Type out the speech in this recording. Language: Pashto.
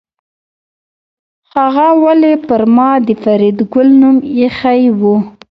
هغه ولې پر ما د فریدګل نوم ایښی و